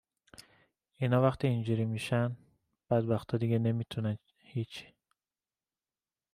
اینا وقتی اینجوری می شن، بدبختا دیگه نمی تونن هیچی